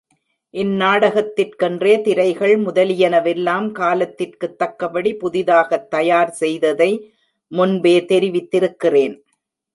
இந் நாடகத்திற்கென்றே திரைகள் முதலியனவெல்லாம் காலத்திற்குத் தக்கபடி புதிதாகத் தயார் செய்ததை முன்பே தெரிவித்திருக்கிறேன்.